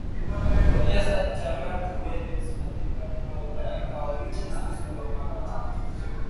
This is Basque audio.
Hori ez da txarra, berez, materialen aldaketa hori guztiz normala da.